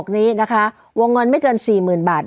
นี้นะคะวงเงินไม่เกิน๔๐๐๐บาท